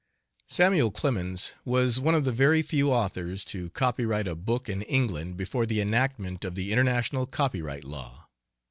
Samuel Clemens was one of the very few authors to copyright a book in England before the enactment of the international copyright law.